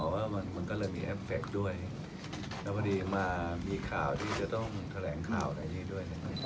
ว่ามันมันก็เลยมีเอฟเฟคด้วยแล้วพอดีมามีข่าวที่จะต้องแถลงข่าวในนี้ด้วยนะครับ